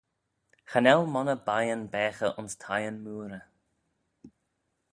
Cha nel monney beiyn baghey ayns thieyn mooarey.